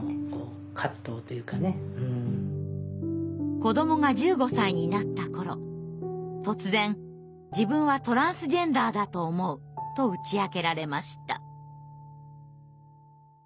子どもが１５歳になった頃突然「自分はトランスジェンダーだと思う」と打ち明けられました。